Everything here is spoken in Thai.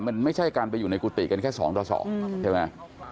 มันไม่ใช่การไปอยู่ในกุฏิกันแค่๒ต่อ๒ใช่ไหม